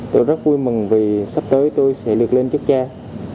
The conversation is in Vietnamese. tôi rất vui mừng vì sắp tới tôi sẽ lược lên chức trang